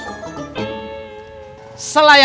ini enak paham saya